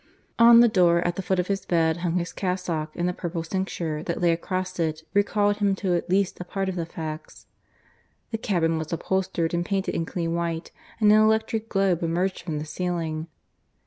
On the door, at the foot of his bed, hung his cassock, and the purple cincture that lay across it recalled him to at least a part of the facts. The cabin was upholstered and painted in clean white, and an electric globe emerged from the ceiling.